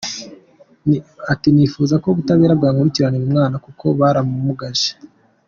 Ati “nifuza ko ubutabera bwankurikiranira umwana, kuko baramumugaje.